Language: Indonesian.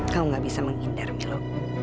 kau gak bisa menghindar jelu